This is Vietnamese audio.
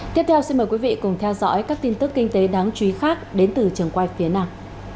tiếp theo xin mời quý vị cùng theo dõi các tin tức kinh tế đáng chú ý khác đến từ trường quay phía nam